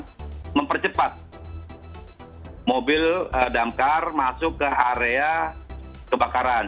dan mempercepat mobil damkar masuk ke area kebakaran